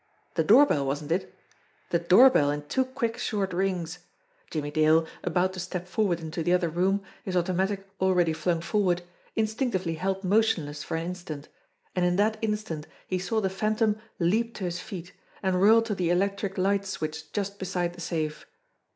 The doorbell, wasn't it? The doorbell in two quick, short rings ! Jimmie Dale, about to step for ward into the other room, his automatic already flung for ward, instinctively held motionless for an instant and in that instant he saw the Phantom leap to his feet, and whirl to the electric light switch just beside the safe.